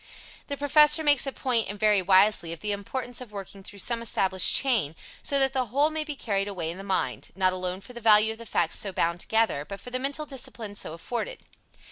The Professor makes a point, and very wisely, of the importance of working through some established chain, so that the whole may be carried away in the mind not alone for the value of the facts so bound together, but for the mental discipline so afforded.